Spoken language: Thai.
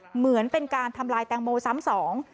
เหมือนเป็นการทำลายแตงโมซ้ำสอง